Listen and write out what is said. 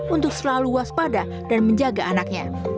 untuk selalu waspada dan menjaga anaknya